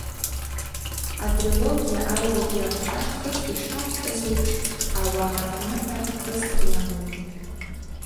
Атрилогиа аҩбатәи ахәҭа, хыхь ишаҳҳәаз еиԥш, Ауаа рыҟны ҳәа хыс иамоуп.